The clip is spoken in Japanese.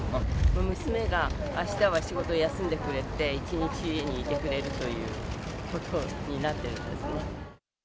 娘があしたは仕事を休んでくれて、一日家にいてくれるということになってるんです。